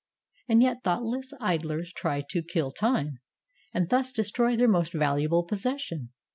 And yet thoughtless idlers try to "kill time," and thus destroy their most valuable possession.